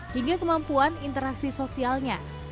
hingga kemampuan interaksi sosialnya